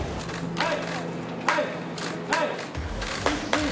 はい！